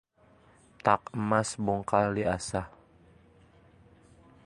Tak emas bungkal diasah